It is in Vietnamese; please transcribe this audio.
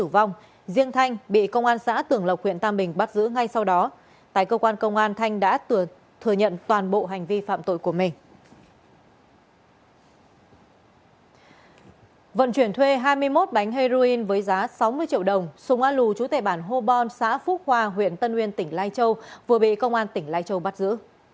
vận chuyển thuê hai mươi một bánh heroin với giá sáu mươi triệu đồng sùng a lù chú tệ bản hobon xã phúc hoa huyện tân nguyên tỉnh lai châu vừa bị công an tỉnh lai châu bắt giữ